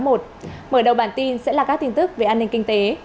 mở đầu bản tin sẽ là các tin tức về an ninh kinh tế